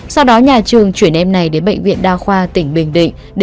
sau đó nhà trường chuyển em này đến bệnh viện đa khoa tỉnh bình định